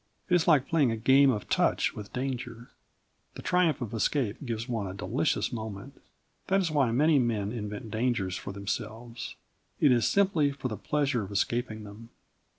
It is like playing a game of touch with danger. The triumph of escape gives one a delicious moment. That is why many men invent dangers for themselves. It is simply for the pleasure of escaping them.